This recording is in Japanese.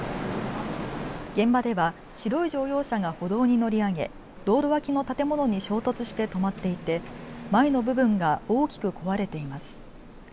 現場では白い乗用車が歩道に乗り上げ道路脇の建物に衝突して止まっていて前の部分が大きく壊れています。